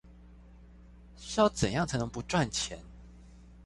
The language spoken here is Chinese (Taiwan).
是要怎樣才能不賺錢